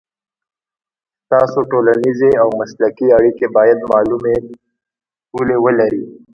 ستاسو ټولنیزې او مسلکي اړیکې باید معلومې پولې ولري.